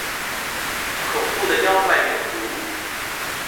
恐怖的妖怪遠足